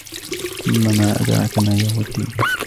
ثم ما أدراك ما يوم الدين